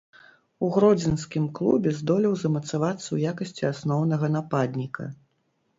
У гродзенскім клубе здолеў замацавацца ў якасці асноўнага нападніка.